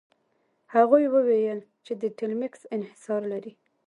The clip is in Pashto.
هغوی وویل چې ټیلمکس انحصار لري.